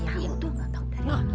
aku tuh gak tahu